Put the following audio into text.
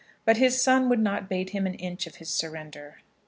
But his son would not bate him an inch of his surrender.